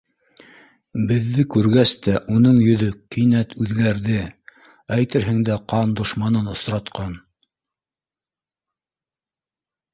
Беҙҙе күргәс тә уның йөҙө кинәт үҙгәрҙе, әйтерһең дә, ҡан дошманын осратҡан.